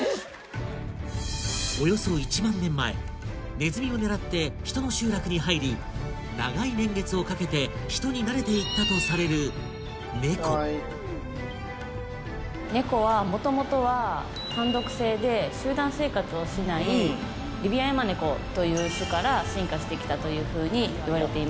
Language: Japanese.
およそ１万年前ネズミを狙って人の集落に入り長い年月をかけて人に慣れていったとされる「猫」かわいいうん猫はもともとは単独性で集団生活をしないうん「リビアヤマネコ」という種から進化してきたというふうに言われています